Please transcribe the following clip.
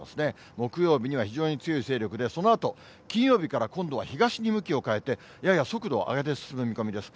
木曜日には非常に強い勢力で、そのあと、金曜日から今度は東に向きを変えて、やや速度を上げて進む見込みです。